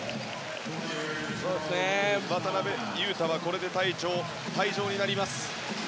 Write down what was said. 渡邊雄太はこれで退場になります。